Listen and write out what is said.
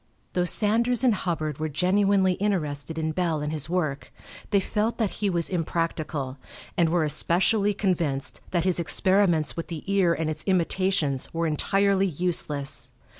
Though Sanders and Hubbard were genuinely interested in Bell and his work, they felt that he was impractical, and were especially convinced that his experiments with the ear and its imitations were entirely useless.